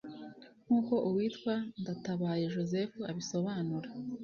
nkuko uwitwa Ndatabaye Joseph abisobanura